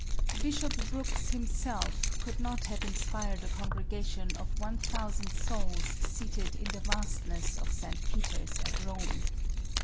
Bishop Brooks himself could not have inspired a congregation of one thousand souls seated in the vastness of St. Peter's at Rome.